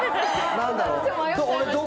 何だろう。